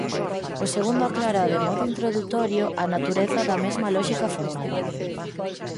O segundo aclara de modo introdutorio a natureza da mesma lóxica formal.